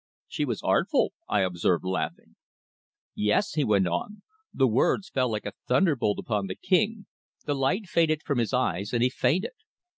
"She was artful," I observed, laughing. "Yes," he went on. "The words fell like a thunder bolt upon the king, the light faded from his eyes and he fainted.